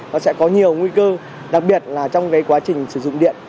nó sẽ có nhiều nguy cơ đặc biệt là trong cái quá trình sử dụng điện